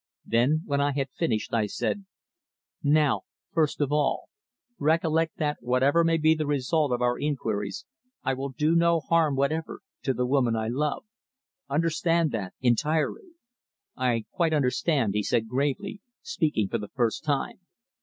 Then, when I had finished, I said "Now, first of all, recollect that whatever may be the result of our inquiries I will do no harm whatever to the woman I love. Understand that entirely." "I quite understand," he said gravely, speaking for the first time.